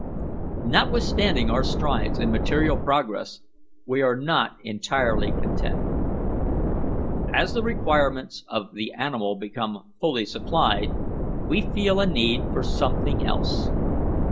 "Notwithstanding our strides in material progress, we are not entirely content. As the requirements of the animal become fully supplied, we feel a need for something else.